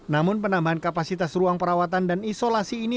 namun penambahan kapasitas ruang perawatan dan isolasi ini